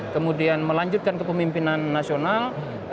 kemudian melanjutkan ke pemimpinan nasional